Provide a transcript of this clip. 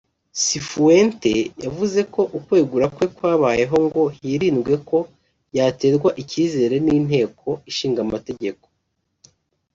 Cifuentes yavuze ko ukwegura kwe kubayeho ngo hirindwe ko yaterwa icyizere n’Inteko Ishinga Amategeko